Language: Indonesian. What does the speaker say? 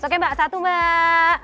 oke mbak satu mbak